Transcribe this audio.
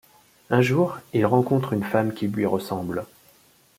Un jour, il rencontre une femme qui lui ressemble.